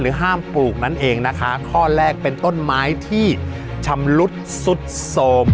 ห้ามปลูกนั่นเองนะคะข้อแรกเป็นต้นไม้ที่ชำรุดสุดโสม